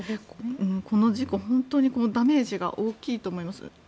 この事故、本当にダメージが大きいと思います。